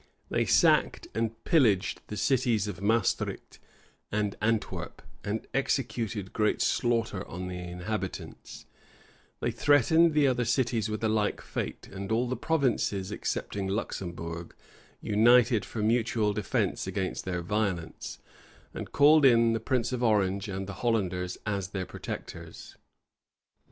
They sacked and pillaged the cities of Maestricht and Antwerp, and executed great slaughter on the inhabitants: they threatened the other cities with a like fate: and all the provinces, excepting Luxembourg, united for mutual defence against their violence, and called in the prince of Orange and the Hollanders as their protectors.